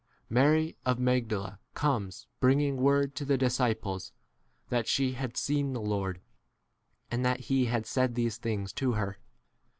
Mary of Mag dala comes bringing word to the disciples that she had seen the Lord, and that he had said these 19 things to her.